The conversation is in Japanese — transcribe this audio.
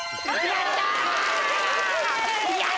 やった‼